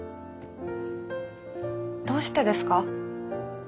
どうしてですか？